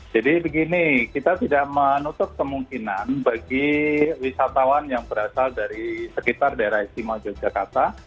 jadi begini kita tidak menutup kemungkinan bagi wisatawan yang berasal dari sekitar daerah istimewa yogyakarta